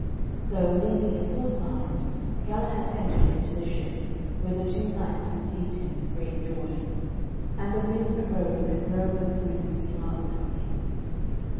So, leaving his horse behind, Galahad entered into the ship, where the two knights received him with great joy. And the wind arose, and drove them through the sea marvellously.